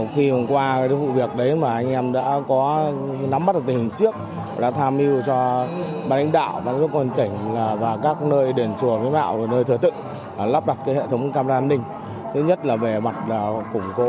khi mà qua cái vụ việc đấy mà anh em đã có nắm bắt được tình hình trước